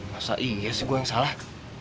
masa iya sih gua yang salah